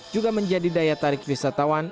juga menjadi daya tarik wisatawan